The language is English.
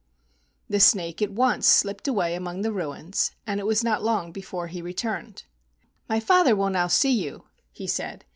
The snake at once slipped away among the ruins, and it was not long before he returned. [_"My father will now see you," he said.